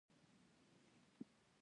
د مالټې جوس په ژمي کې ښه وي.